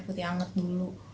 putih anget dulu